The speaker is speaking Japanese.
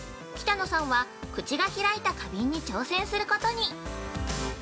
北乃さんは口が開いた花瓶に挑戦することに。